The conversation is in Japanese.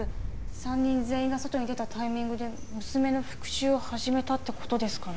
３人全員が外に出たタイミングで娘の復讐を始めたってことですかね？